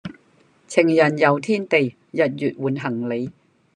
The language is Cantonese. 情人遊天地日月換行李